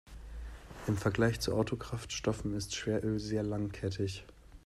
Im Vergleich zu Autokraftstoffen ist Schweröl sehr langkettig.